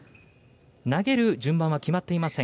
投げる順番は決まっていません。